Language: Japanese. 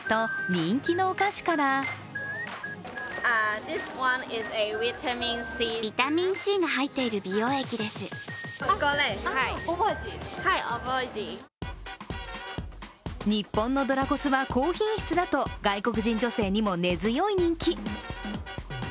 人気のお菓子からニッポンのドラコスは高品質だと外国人女性にも根強い人気。